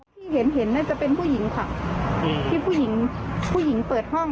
ที่เห็นน่าจะเป็นผู้หญิงค่ะที่ผู้หญิงเปิดห้อง